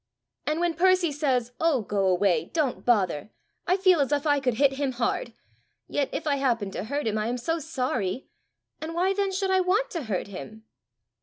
"And when Percy says, 'Oh, go away! don't bother,' I feel as if I could hit him hard! Yet, if I happen to hurt him, I am so sorry! and why then should I want to hurt him?"